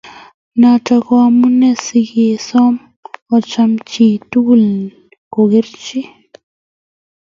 Noto ko amune sikesomok ocham chi tugul ko kargei